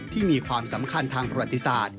มีความสำคัญทางประวัติศาสตร์